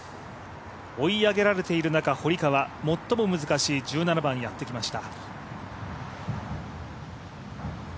追い上げられている中、堀川最も難しい１７番にやってきました。